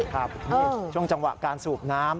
ครับนี่ช่วงจังหวะการสูบน้ำ